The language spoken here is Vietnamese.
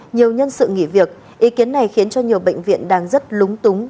nhiều nhân sự nghỉ việc ý kiến này khiến cho nhiều bệnh viện đang rất lúng túng